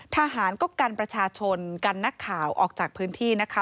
ทหารก็กันประชาชนกันนักข่าวออกจากพื้นที่นะคะ